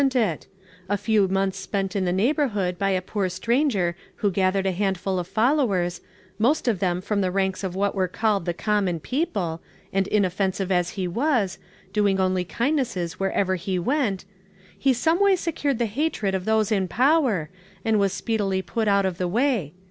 n rV/' ^^^ ^««»ths spent in the neighborhood by a poor stranger who gathered a handful of folowei s, most of them from the ranks of what are called the common people, and inof fensive as he was, doing only kindnesses wherever he went, he someway secured the hatred of those m power, and was speedily put out of the way.